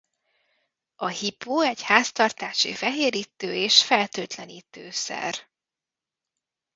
A hipó egy háztartási fehérítő- és fertőtlenítőszer.